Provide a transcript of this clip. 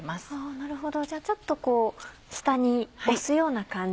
なるほどじゃあちょっと下に押すような感じ。